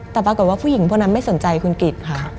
แต่ปรากฏว่าผู้หญิงพวกนั้นไม่สนใจคุณกริจค่ะ